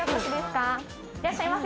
いらっしゃいませ。